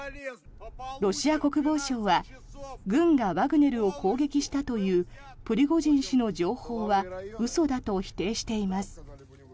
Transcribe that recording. ロシア国防省は軍がワグネルを攻撃したというプリゴジン氏の情報は嘘だと否定しています。